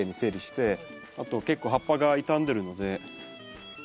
あと結構葉っぱが傷んでるので。